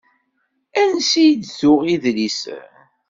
Ansi d-tuɣ idlisen?